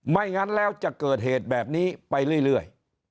งั้นแล้วจะเกิดเหตุแบบนี้ไปเรื่อย